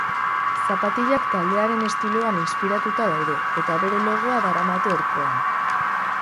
Zapatilak taldearen estiloan inspiratuta daude eta bere logoa daramate orpoan.